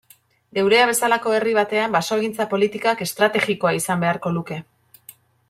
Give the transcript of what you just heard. Geurea bezalako herri batean basogintza politikak estrategikoa izan beharko luke.